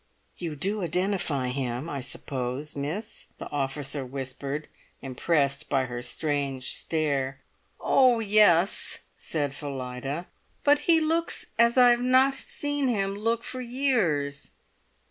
"You do identify him, I suppose, miss?" the officer whispered, impressed by her strange stare. "Oh, yes!" said Phillida. "But he looks as I have not seen him look for years.